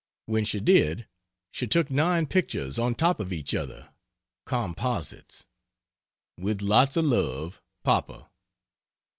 When she did, she took nine pictures on top of each other composites. With lots of love. PAPA.